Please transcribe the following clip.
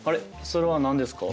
それは何ですか？